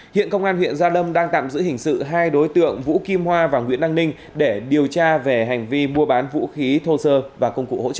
hiện công an huyện gia lâm đang tạm giữ hình sự hai đối tượng vũ kim hoa và nguyễn đăng ninh để điều tra về hành vi mua bán vũ khí thô sơ và công cụ hỗ trợ